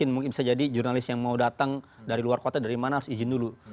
mungkin bisa jadi jurnalis yang mau datang dari luar kota dari mana harus izin dulu